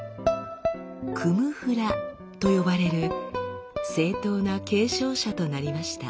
「クム・フラ」と呼ばれる正統な継承者となりました。